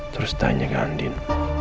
terus tanya ke andin